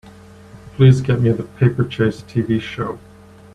Please get me The Paper Chase TV show.